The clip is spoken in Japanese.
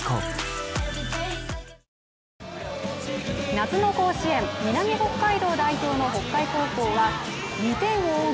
夏の甲子園、南北海道代表の北海高校は２点を追う